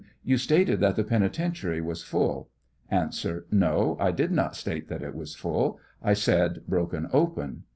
You stated that the penitentiary was full ? A. No ; I did not state that it was full ; 1 said bro ken open.